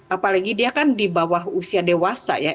apalagi dia kan di bawah usia dewasa ya